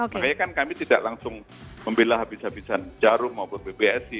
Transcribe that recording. makanya kan kami tidak langsung membela habis habisan jarum maupun pbsi